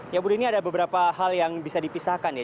ya budi ini ada beberapa hal yang bisa dipisahkan ya